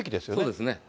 そうですね。